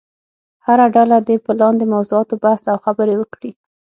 هره ډله دې په لاندې موضوعاتو بحث او خبرې وکړي.